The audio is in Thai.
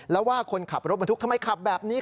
แล้วว่าคนขับรถบรรทุกทำไมขับแบบนี้